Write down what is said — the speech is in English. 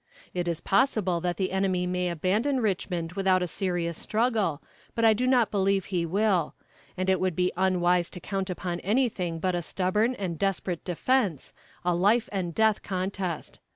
It is possible that the enemy may abandon Richmond without a serious struggle, but I do not believe he will; and it would be unwise to count upon anything but a stubborn and desperate defense a life and death contest.